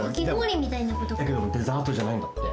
だけどデザートじゃないんだって。